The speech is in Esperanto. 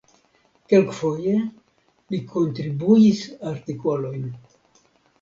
Kelkfoje li kontribuis artikolojn.